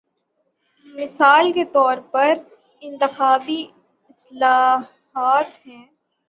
مثال کے طور پر انتخابی اصلاحات ہیں۔